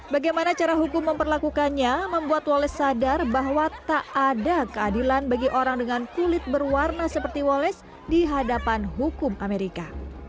bagaimana cara hukum memperlakukannya membuat wallace sadar bahwa tak ada keadilan bagi orang dengan kulit berwarna seperti walles di hadapan hukum amerika